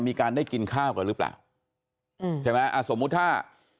มีการได้กินข้าวกันหรือเปล่าอืมใช่ไหมอ่าสมมุติถ้า